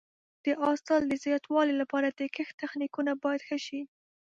د حاصل د زیاتوالي لپاره د کښت تخنیکونه باید ښه شي.